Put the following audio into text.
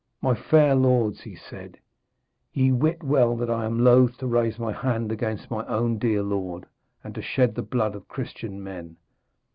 'My fair lords,' he said, 'ye wit well that I am loath to raise my hand against my own dear lord and to shed the blood of Christian men.